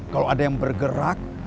kalau ada yang bergerak